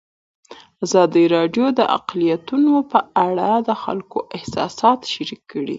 ازادي راډیو د اقلیتونه په اړه د خلکو احساسات شریک کړي.